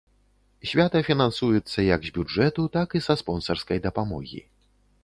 Свята фінансуецца як з бюджэту, так і са спонсарскай дапамогі.